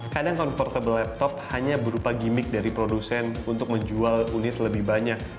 kadang comfortable laptop hanya berupa gimmick dari produsen untuk menjual unit lebih banyak